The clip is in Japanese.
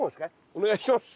お願いします。